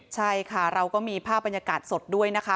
ใช่ค่ะเราก็มีภาพบรรยากาศสดด้วยนะคะ